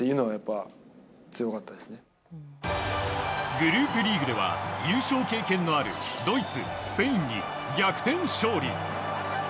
グループリーグでは優勝経験のあるドイツ、スペインに逆転勝利。